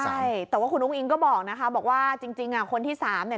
ใช่แต่ว่าคุณอุ้งอิงก็บอกนะคะบอกว่าจริงอ่ะคนที่สามเนี่ย